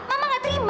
mama nggak terima